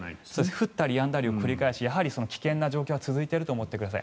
降ったりやんだりを繰り返し危険な状態は続いていると思ってください。